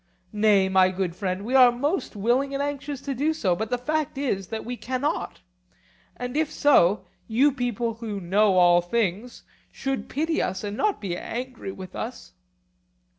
Nay, my good friend, we are most willing and anxious to do so, but the fact is that we cannot. And if so, you people who know all things should pity us and not be angry with us.